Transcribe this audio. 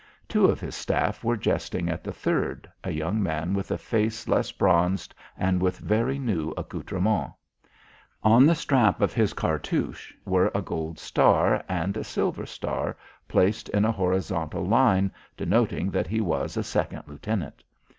Two of his staff were jesting at the third, a young man with a face less bronzed, and with very new accoutrements. On the strap of his cartouche were a gold star and a silver star, placed in a horizontal line, denoting that he was a second lieutenant.